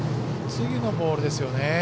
次のボールですよね。